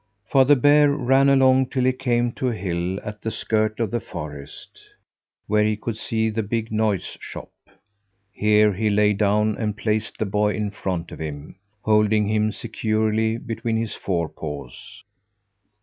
Father Bear ran along till he came to a hill at the skirt of the forest, where he could see the big noise shop. Here he lay down and placed the boy in front of him, holding him securely between his forepaws.